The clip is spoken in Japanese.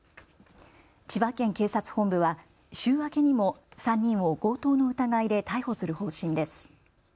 千葉県警察本部は週明けにも３人を強盗の疑いで逮捕する方針です。